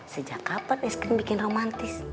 sejak kapan es krim bikin romantis